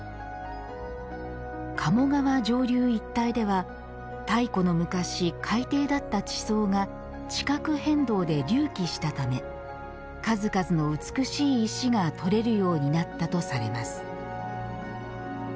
鴨川上流一帯では、太古の昔海底だった地層が地殻変動で隆起したため数々の美しい石が採れるようになったとされます。